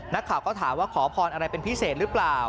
นักข่าวก็ถามว่าขอพรอะไรเป็นพิเศษหรือเปล่า